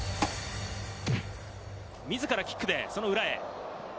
自らキックでその裏へ。